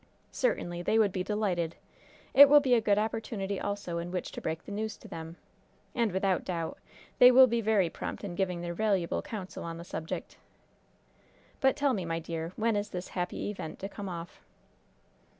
"Certainly. They would be delighted. It will be a good opportunity also in which to break the news to them. And, without doubt, they will be very prompt in giving their valuable counsel on the subject. But tell me, my dear, when is this happy event to come off?"